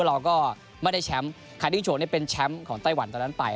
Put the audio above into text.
เราก็ไม่ได้แชมป์คาดิ้งโชว์นี่เป็นแชมป์ของไต้หวันตอนนั้นไป